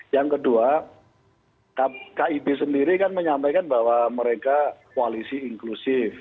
yang kedua kib sendiri kan menyampaikan bahwa mereka koalisi inklusif